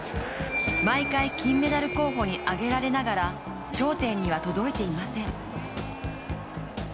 毎回金メダル候補に挙げられながら、頂点には届いていません。